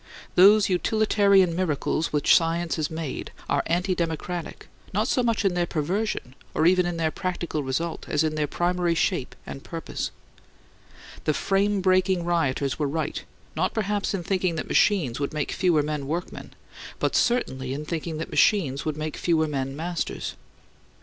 Those utilitarian miracles which science has made are anti democratic, not so much in their perversion, or even in their practical result, as in their primary shape and purpose. The Frame Breaking Rioters were right; not perhaps in thinking that machines would make fewer men workmen; but certainly in thinking that machines would make fewer men masters.